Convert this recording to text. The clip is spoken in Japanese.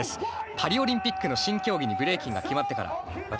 パリ・オリンピックの新競技にブレイキンが決まってから私